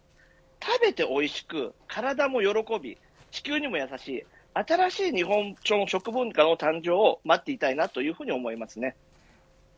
食べて美味しく体も喜び、地球にも優しい新しい日本の食文化の誕生を待っていたいと思います。